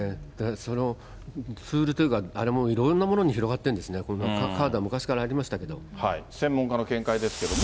そのツールというか、あれも、いろんなものに広がってるんですね、カードは昔からありましたけ専門家の見解ですけども。